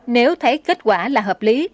nếu thấy kết quả là hợp lý